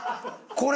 これ！